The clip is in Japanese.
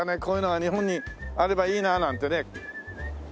こういうのが日本にあればいいな」なんてね。